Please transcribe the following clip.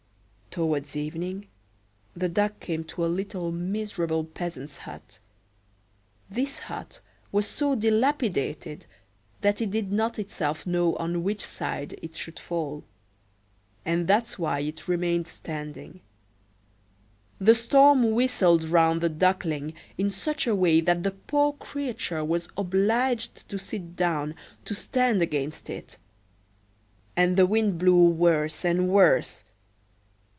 Towards evening the Duck came to a little miserable peasant's hut. This hut was so dilapidated that it did not itself know on which side it should fall; and that's why it remained standing. The storm whistled round the Duckling in such a way that the poor creature was obliged to sit down, to stand against it; and the wind blew worse and worse.